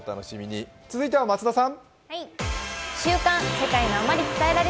続いては松田さん。